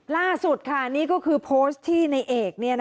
ล่าสุดค่ะนี่ก็คือโพสต์ที่ในเอก